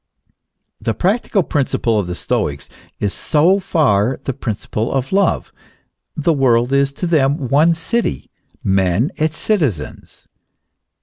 The practical principle of the Stoics is so far the principle of love. The world is to them one city, men its citizens.